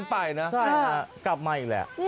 กลับมาอีกแหละ